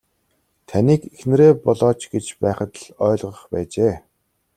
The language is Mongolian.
Таныг эхнэрээ болооч гэж байхад л ойлгох байжээ.